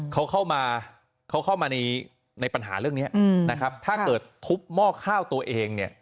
เขาเข้ามาเขาเข้ามาในปัญหาเรื่องนี้นะครับถ้าเกิดทุบหม้อข้าวตัวเองเนี่ย